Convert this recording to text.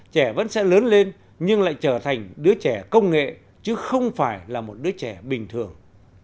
trẻ vẫn sẽ lớn lên nhưng lại trở thành đứa trẻ công nghệ chứ không phải là một đứa trẻ bình thường